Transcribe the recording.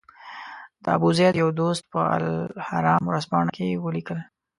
د ابوزید یو دوست په الاهرام ورځپاڼه کې ولیکل.